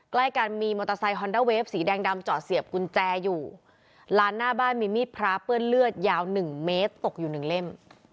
ใกล้กันมีมอเตอร์ไซคอนด้าเวฟสีแดงดำจอดเสียบกุญแจอยู่ร้านหน้าบ้านมีมีดพระเปื้อนเลือดยาวหนึ่งเมตรตกอยู่หนึ่งเล่ม